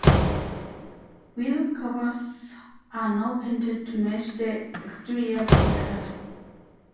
Wheel covers are now painted to match the exterior body color.